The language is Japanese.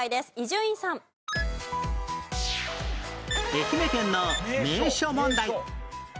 愛媛県の名所問題